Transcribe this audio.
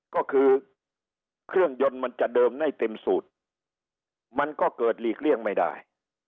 ก็คือเครื่องยนต์มันจะเดิมได้เต็มสูตรมันก็เกิดหลีกเลี่ยงไม่ได้